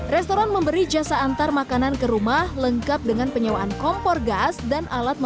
restoran memberi jasa antar makanan ke rumah lengkap dengan penyewaan kompor gas dan alat berat